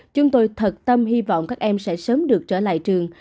chúng tôi thật tâm hy vọng các em sẽ sớm được trở lại trường